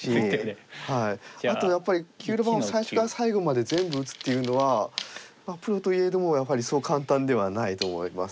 あとやっぱり９路盤を最初から最後まで全部打つっていうのはプロといえどもやはりそう簡単ではないと思います。